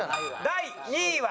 第２位は。